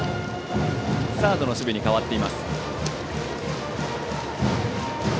サードの守備に代わっています。